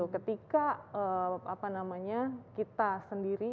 ketika kita sendiri